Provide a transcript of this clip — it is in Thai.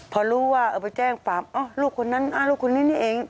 พอรู้ว่าเอาไปแจ้งความลูกคนนั้นลูกคนนี้นี่เอง